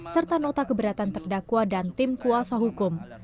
serta nota keberatan terdakwa dan tim kuasa hukum